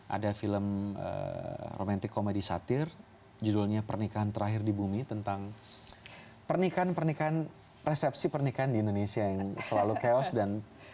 ada film romantic comedy satir judulnya pernikahan terakhir di bumi tentang pernikahan pernikahan persepsi pernikahan di indonesia yang selalu chaos dan sering chaos dan tidak dihapus